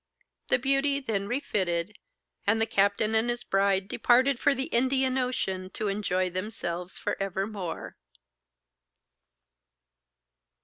'The Beauty' then refitted, and the captain and his bride departed for the Indian Ocean to enjoy themselves for evermore.